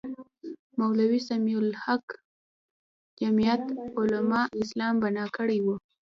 مولوي سمیع الحق جمیعت علمای اسلام بنا کړې وې.